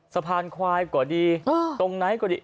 สะพานควายกว่าดีตรงไหนกว่าดี